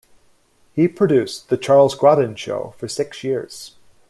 He produced the "Charles Grodin Show" for six years.